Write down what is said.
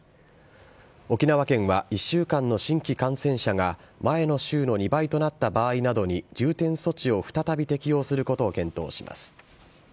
沖縄県は１週間の新規感染者が、前の週の２倍となった場合などに重点措置を再び適用することを検討します。